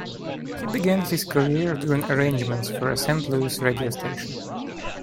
He began his career doing arrangements for a Saint Louis radio station.